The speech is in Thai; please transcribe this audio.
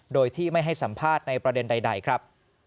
โดยที่ไม่ให้สัมภาษณ์ในประเด็นใดครับ